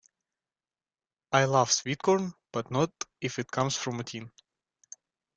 I love sweetcorn, but not if it comes from a tin.